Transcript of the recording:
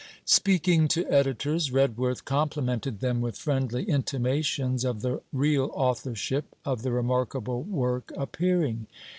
Speaking to editors, Redworth complimented them with friendly intimations of the real authorship of the remarkable work appearing.